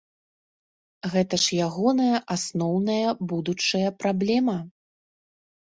Гэта ж ягоная асноўная будучая праблема?